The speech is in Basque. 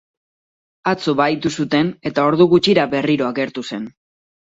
Atzo bahitu zuten, eta ordu gutxira berriro agertu zen.